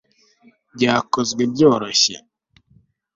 byakozwe byoroshye